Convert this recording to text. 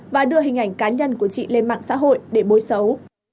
và đưa hình ảnh cá nhân của chị lên mạng xã hội để bối xấu